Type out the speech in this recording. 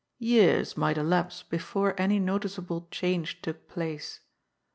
Years might elapse before any noticeable change took place.